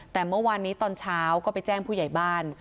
แต่เมื่อวานนี้ตอนเช้าก็ไปแจ้งผู้ใหญ่บ้าน